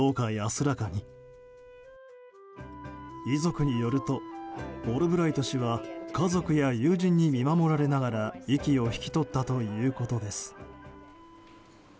遺族によるとオルブライト氏は家族や友人に見守られながら息を引き取ったということです。